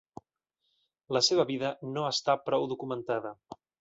La seva vida no està prou documentada.